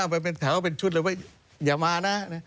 เรียงหน้าออกมาเลย